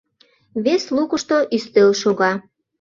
Вес лукышто ӱстел шога.